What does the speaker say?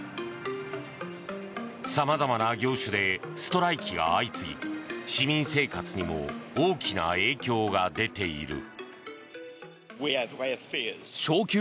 様々な業種でストライキが相次ぎ市民生活にも大きな影響が出ている。